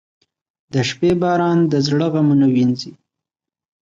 • د شپې باران د زړه غمونه وینځي.